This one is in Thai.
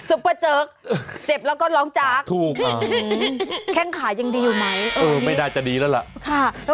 อึงแคร่งขายังดีอยู่ไหมไม่ได้จะดีแล้วเหรอล่ะ